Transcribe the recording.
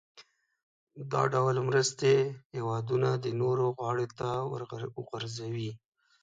دا ډول مرستې هېوادونه د نورو غاړې ته ورغورځوي.